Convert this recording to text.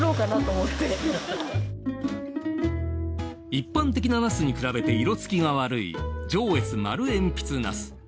一般的なナスに比べて色つきが悪い上越丸えんぴつナス。